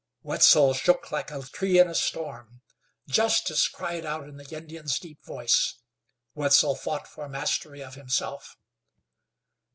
Wetzel shook like a tree in a storm. Justice cried out in the Indian's deep voice. Wetzel fought for mastery of himself.